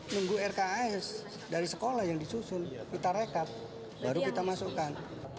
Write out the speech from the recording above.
nunggu rks dari sekolah yang disusun kita rekap baru kita masukkan